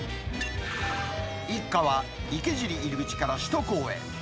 一家は池尻入口から首都高へ。